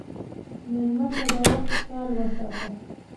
مېلمه ته د وخت خیال وساته.